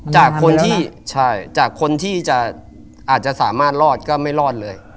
จากคนที่อาจจะสามารถรอดก็ไม่รอดเลย